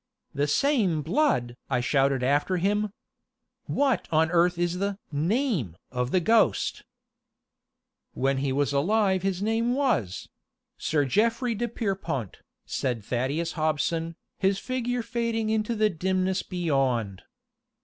"The same blood!" I shouted after him. "What on earth is the name of the ghost?" "When he was alive his name was Sir Geoffray de Pierrepont," said Thaddeus Hobson, his figure fading into the dimness beyond.